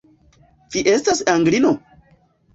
Vi estas Anglino?